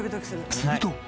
すると。